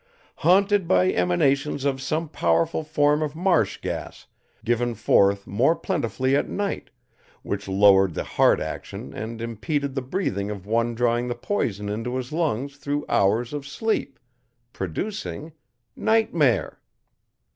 Haunted by emanations of some powerful form of marsh gas given forth more plentifully at night, which lowered the heart action and impeded the breathing of one drawing the poison into his lungs through hours of sleep, producing nightmare.